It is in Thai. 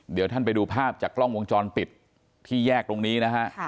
เดี๋ยวท่านไปดูภาพจากกล้องวงจรปิดที่แยกตรงนี้นะฮะ